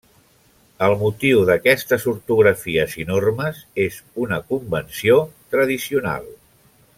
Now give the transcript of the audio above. El motiu d'aquestes ortografies i normes és una convenció tradicional.